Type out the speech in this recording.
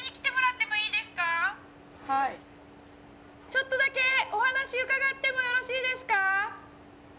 ちょっとだけお話うかがってもよろしいですか？